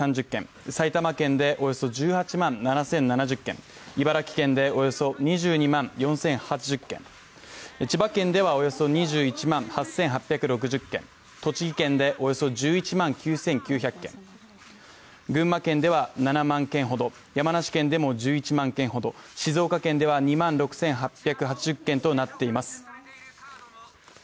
埼玉県でおよそ１８万７０７０軒、茨城県でおよそ２２万４０８０軒千葉県ではおよそ２１万８８６０軒、栃木県でおよそ１１万９９００軒群馬県では７万軒ほど、山梨県でも１１万軒ほど静岡県では２万６８８０軒となっています。